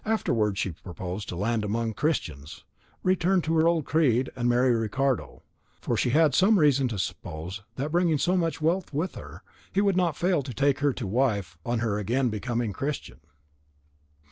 Afterwards she proposed to land among Christians, return to her old creed, and marry Ricardo; for she had reason to suppose that bringing so much wealth with her, he would not fail to take her to wife on her again becoming a Christian.